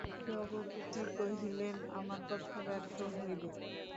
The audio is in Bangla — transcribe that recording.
রঘুপতি কহিলেন, আমার কথা ব্যর্থ হইবে?